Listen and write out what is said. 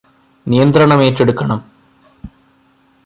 നിയന്ത്രണം ഏറ്റെടുക്കണം